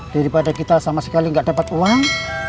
daripada kita sama sekali nggak dapat uang